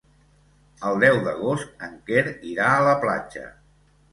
El deu d'agost en Quer irà a la platja.